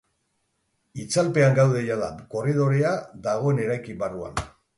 Itzalpean gaude jada, korridorea dagoen eraikin barruan.